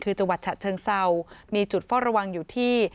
คือจังหวัดฉะเชิงเศร้ามีจุดเฝ้าระวังอยู่ที่